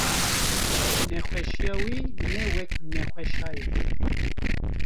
nexweşiya wî ne wek nexweşa ye.